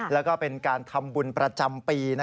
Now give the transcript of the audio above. แล้วก็เป็นการทำบุญประจำปี